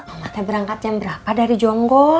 kamu berangkatnya berapa dari jonggo